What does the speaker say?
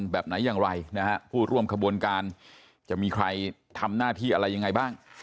แบบไหนอย่างไรนะฮะผู้ร่วมขบวนการจะมีใครทำหน้าที่อะไรยังไงบ้าง